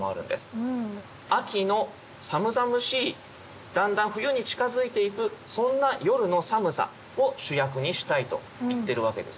秋の寒々しいだんだん冬に近づいていくそんな夜の寒さを主役にしたいと言ってるわけですね。